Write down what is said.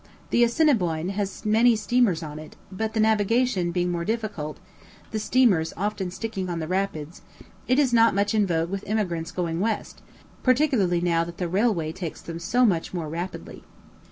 The Assiniboine has many steamers on it; but the navigation being more difficult, the steamers often sticking on the rapids, it is not much in vogue with emigrants going west, particularly now that the railway takes them so much more rapidly.